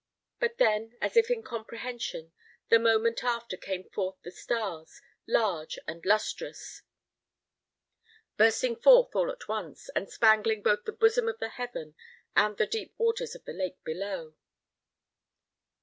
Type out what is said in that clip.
But then, as if in compensation, the moment after came forth the stars, large and lustrous, bursting forth all at once, and spangling both the bosom of the heaven and the deep waters of the lake below.